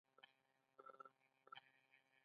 انسان د همدې خیالي بنسټونو له مخې ژوند کوي.